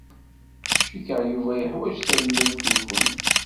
Cikkeɣ Yuba yeḥwaj tallalt-nwent.